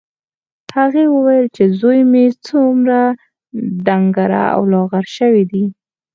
هغې وویل چې زوی مې څومره ډنګر او لاغر شوی دی